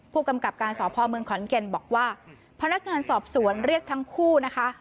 ผู้กำกับการสพเมืองขอนแก่นบอกว่าพนักงานสอบสวนเรียกทั้งคู่นะคะ